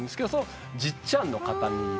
じっちゃんの形見。